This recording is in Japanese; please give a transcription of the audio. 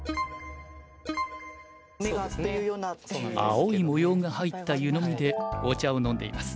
青い模様が入った湯飲みでお茶を飲んでいます。